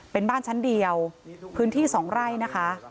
เป็นบ้านชั้นเดียวพื้นที่๒ไร่นะคะ